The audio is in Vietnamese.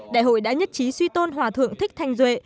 đại hội đã nhất trí suy tôn hòa thượng thích thanh duệ